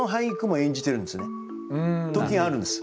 時があるんです。